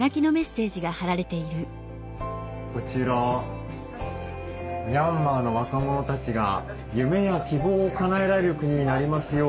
こちら「ミャンマーの若者たちが夢や希望を叶えられる国になりますように」。